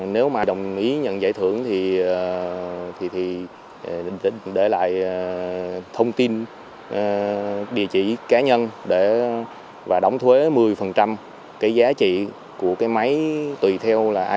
nếu mà đồng ý nhận giải thưởng thì để lại thông tin địa chỉ cá nhân và đóng thuế